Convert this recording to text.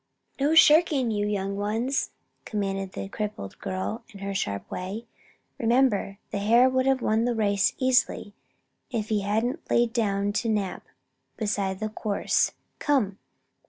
"No shirking, you young ones!" commanded the crippled girl, in her sharp way. "Remember the hare would have won the race easily if he hadn't laid down to nap beside the course. Come!